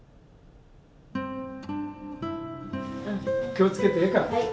気をつけてええか。